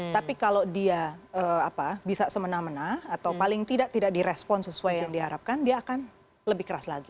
tapi kalau dia bisa semena mena atau paling tidak tidak direspon sesuai yang diharapkan dia akan lebih keras lagi